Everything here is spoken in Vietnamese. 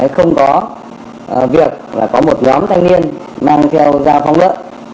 không có việc là có một nhóm thanh niên mang theo dao phong lỡ